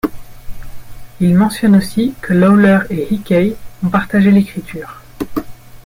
Il mentionne aussi que Lawler et Hickey ont partagé l'écriture.